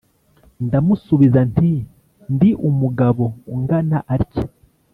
Ndamusubiza nti ndi umugabo ungana atya